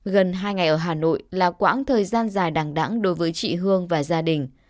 gần hai ngày ở hà nội là quãng thời gian dài đàng đẳng đối với chị hương và gia đình